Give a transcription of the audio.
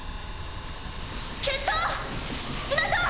決闘しましょう！